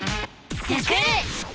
「スクる！」。